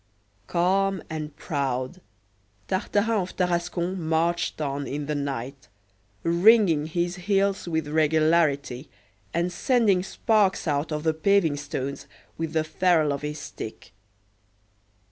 Calm and proud, Tartarin of Tarascon marched on in the night, ringing his heels with regularity, and sending sparks out of the paving stones with the ferule of his stick.